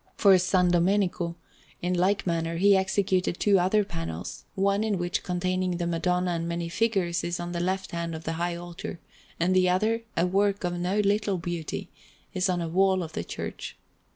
For S. Domenico, in like manner, he executed two other panels, one of which, containing the Madonna and many figures, is on the left hand of the high altar, and the other, a work of no little beauty, is on a wall of the church.